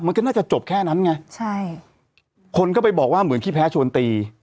มันก็น่าจะจบแค่นั้นไงใช่คนก็ไปบอกว่าเหมือนขี้แพ้ชวนตี